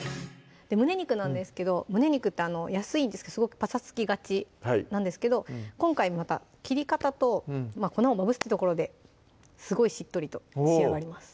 胸肉なんですけど胸肉って安いんですけどすごくぱさつきがちなんですけど今回また切り方と粉をまぶすところですごいしっとりと仕上がります